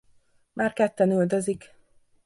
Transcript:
Már ketten üldözik.